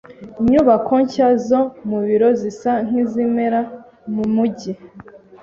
Inyubako nshya zo mu biro zisa nkizimera mu mujyi.